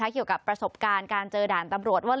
เกี่ยวกับประสบการณ์การเจอด่านตำรวจว่า